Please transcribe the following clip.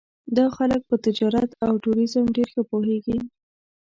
دا خلک په تجارت او ټوریزم ډېر ښه پوهېږي.